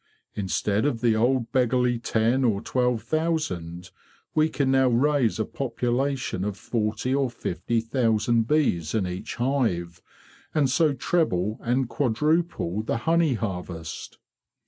Instead of the old beggarly ten or twelve thousand, we can now raise a population of forty or fifty thousand bees in each hive, and so treble and quadruple the honey harvest."